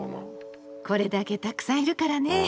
これだけたくさんいるからね。